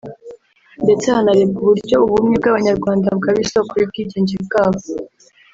ndetse hanarebwa uburyo ubumwe bw’Abanyarwanda bwaba isoko y’ubwigenge bwabo